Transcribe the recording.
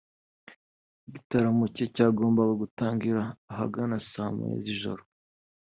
Igitaramo cye cyagombaga gutangira ahagana saa moya z’ijoro